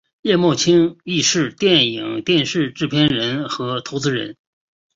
叶茂菁亦是电影电视剧制片人和投资人。